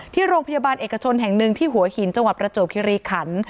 ที่โรงพยาบาลเอกชนแห่งหนึ่งที่หัวหินจังหวัดประจวบคิริขัน